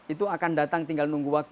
itu akan datang tinggal nunggu waktu